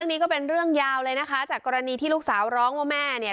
นี้ก็เป็นเรื่องยาวเลยนะคะจากกรณีที่ลูกสาวร้องว่าแม่เนี่ย